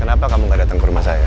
kenapa kamu gak datang ke rumah saya